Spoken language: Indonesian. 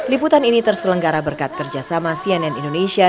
liputan ini terselenggara berkat kerjasama cnn indonesia